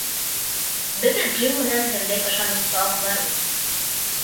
Беҙ Джим менән һеҙҙең ышанысты аҡларбыҙ.